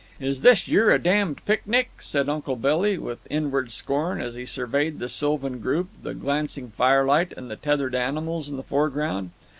"Is this yer a damned picnic?" said Uncle Billy with inward scorn as he surveyed the sylvan group, the glancing firelight, and the tethered animals in the foreground.